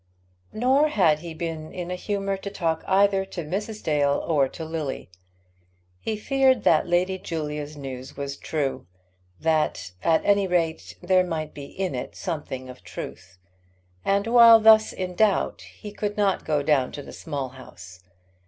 Nor had he been in a humour to talk either to Mrs. Dale or to Lily. He feared that Lady Julia's news was true, that at any rate there might be in it something of truth; and while thus in doubt he could not go down to the Small House.